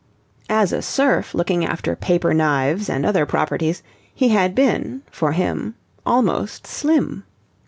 As a serf looking after paper knives and other properties, he had been for him almost slim.